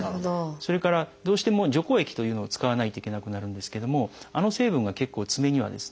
それからどうしても除光液というのを使わないといけなくなるんですけどもあの成分が結構爪にはですね